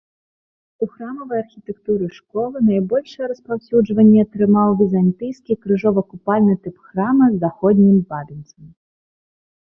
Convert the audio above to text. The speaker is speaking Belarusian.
У храмавай архітэктуры школы найбольшае распаўсюджванне атрымаў візантыйскі крыжова-купальны тып храма з заходнім бабінцам.